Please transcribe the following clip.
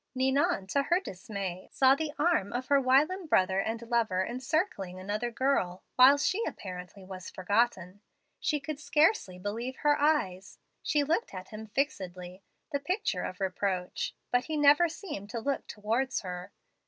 Ninon, to her dismay, saw the arm of her whilom brother and lover encircling another girl, while she, apparently, was forgotten. She could scarcely believe her eyes. She looked at him fixedly, the picture of reproach, but he never seemed to look towards her.